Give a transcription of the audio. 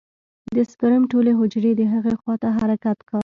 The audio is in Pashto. د سپرم ټولې حجرې د هغې خوا ته حرکت کا.